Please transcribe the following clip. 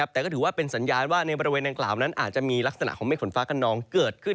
แต่ก็ถือว่าเป็นสัญญาณว่าในบริเวณดังกล่าวนั้นอาจจะมีลักษณะของเมฆฝนฟ้ากระนองเกิดขึ้น